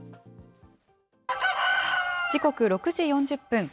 時刻６時４０分。